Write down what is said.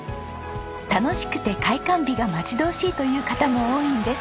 楽しくて開館日が待ち遠しいという方も多いんです。